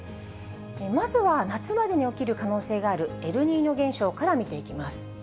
まずは夏までに起きる可能性があるエルニーニョ現象から見ていきます。